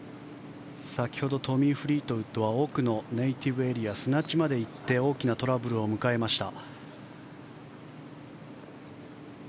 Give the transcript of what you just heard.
先ほどトミー・フリートウッドは奥のネイティブエリア砂地まで行って大きなトラブルを迎えました。